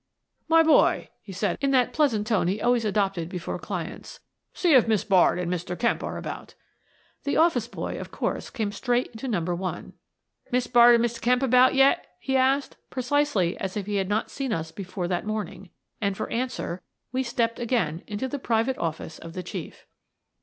'* My boy," said he, in that pleasant tone that 14 Miss Frances Baird, Detective he always adopted before clients, "see if Miss Baird and Mr. Kemp are about" The office boy, of course, came straight into Number One. "Miss Baird and Mr. Kemp about yet?" he asked, precisely as if he had not seen us before that morning, and, for answer, we stepped again into the private office of the Chief.